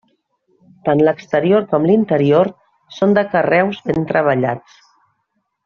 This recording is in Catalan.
Tant l'exterior com l'interior són de carreus ben treballats.